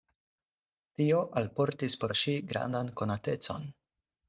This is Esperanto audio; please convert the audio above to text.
Tio alportis por ŝi grandan konatecon.